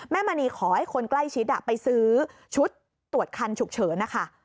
มณีขอให้คนใกล้ชิดไปซื้อชุดตรวจคันฉุกเฉินนะคะ